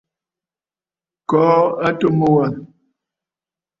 Kɔɔ atu mu wâ.